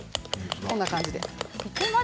こんな感じで。